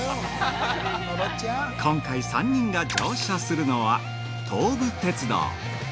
◆今回３人が乗車するのは、東武鉄道。